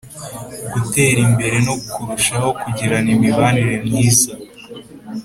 gutera imbere no kurushaho kugirana imibanire myiza